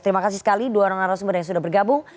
terima kasih sekali dua orang narasumber yang sudah bergabung